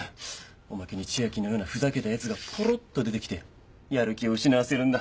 おまけに千秋のようなふざけたヤツがポロッと出てきてやる気を失わせるんだ。